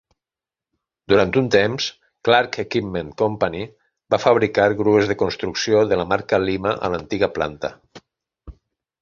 Durant un temps, Clark Equipment Company va fabricar grues de construcció de la marca Lima a l'antiga planta.